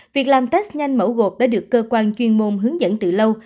việc làm test nhanh mẫu gộp đã được cơ quan chuyên môn hướng dẫn từ lâu